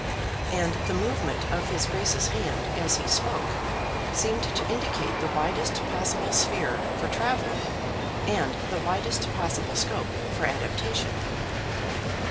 And the movement of his Grace's hand as he spoke seemed to indicate the widest possible sphere for travelling and the widest possible scope for adaptation.